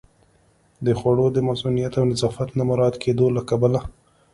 د خوړو د مصئونیت او نظافت نه مراعت کېدو له کبله